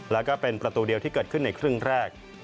แล้วก็เป็นประตูเดียวที่เกิดขึ้นในครึ่งแรก